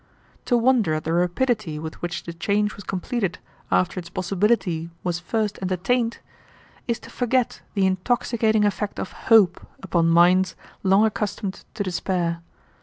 To wonder at the rapidity with which the change was completed after its possibility was first entertained is to forget the intoxicating effect of hope upon minds long accustomed to despair.